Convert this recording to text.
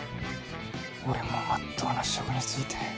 俺もまっとうな職に就いて。